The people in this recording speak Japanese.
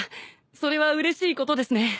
それはうれしいことですね。